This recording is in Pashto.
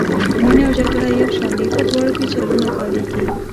مینه او جګړه یو شان دي په دواړو کې چلونه کاریږي.